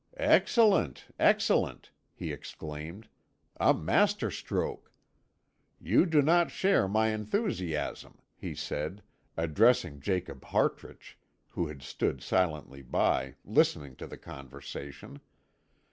"Excellent excellent!" he exclaimed. "A masterstroke! You do not share my enthusiasm," he said, addressing Jacob Hartrich, who had stood silently by, listening to the conversation.